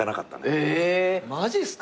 マジすか？